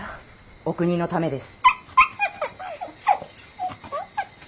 お国のためです。